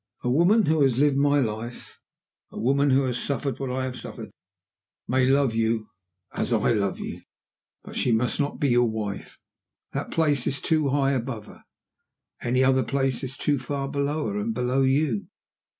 "A woman who has lived my life, a woman who has suffered what I have suffered, may love you as I love you but she must not be your wife. That place is too high above her. Any other place is too far below her and below you."